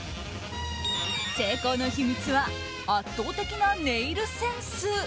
成功の秘密は圧倒的なネイルセンス！